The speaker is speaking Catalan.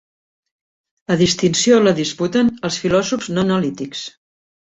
La distinció la disputen els filòsofs no analítics.